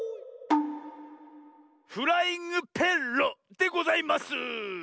「フライングペッロ」でございます！